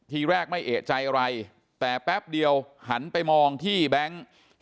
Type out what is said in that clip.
ทีแรกไม่เอกใจอะไรแต่แป๊บเดียวหันไปมองที่แบงค์